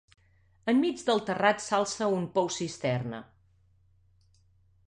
Enmig del terrat s'alça un pou-cisterna.